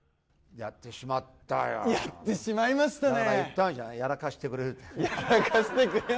やってしまいましたね。